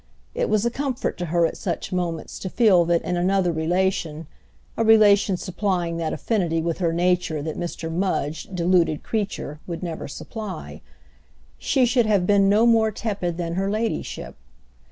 It was a comfort to her at such moments to feel that in another relation—a relation supplying that affinity with her nature that Mr. Mudge, deluded creature, would never supply—she should have been no more tepid than her ladyship.